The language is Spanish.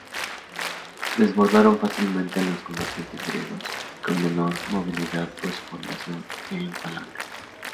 Desbordaron fácilmente a los combatientes griegos, con menor movilidad por su formación en falange.